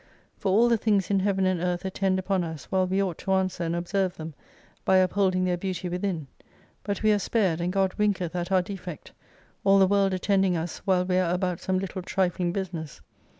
For all the things in Heaven and Earth attend upon us while we ought to answer and observe them, by upholding their beauty v/ithin : But we are spared and God winketh at our defect, all the World attending us while we are about some little trifling business.